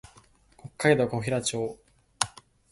北海道古平町